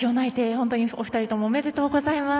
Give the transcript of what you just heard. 本当に、お二人ともおめでとうございます。